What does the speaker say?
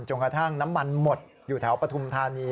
กระทั่งน้ำมันหมดอยู่แถวปฐุมธานี